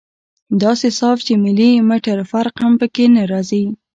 داسې صاف چې ملي مټر فرق هم پکښې نه رځي.